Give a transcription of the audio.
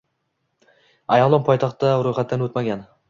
Ayolim poytaxtda ro’yxatdan o’tmagan.